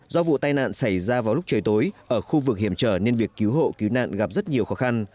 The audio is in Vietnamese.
do vụ tai nạn xảy ra vào lúc trời tối ở khu vực hiểm trở nên việc cứu hộ cứu nạn gặp rất nhiều khó khăn